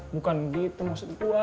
bukan gitu maksud gue